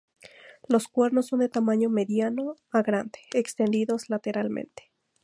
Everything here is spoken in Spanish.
Los cuernos son de tamaño mediano a grande, extendidos lateralmente.